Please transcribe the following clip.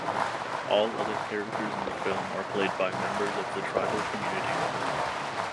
All other characters in the film are played by members of the tribal community.